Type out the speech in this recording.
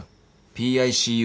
ＰＩＣＵ。